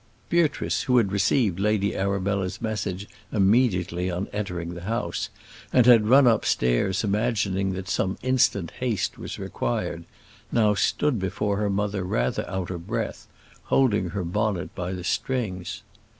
Beatrice, who had received Lady Arabella's message immediately on entering the house, and had run upstairs imagining that some instant haste was required, now stood before her mother rather out of breath, holding her bonnet by the strings.